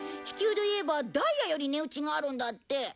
地球でいえばダイヤより値打ちがあるんだって。